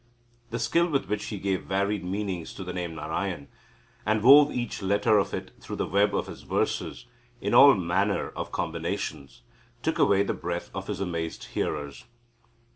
The skill with which he gave varied meanings to the name Narayan, and wove each letter of it through the web of his verses in all mariner of combinations, took away the breath of his amazed hearers.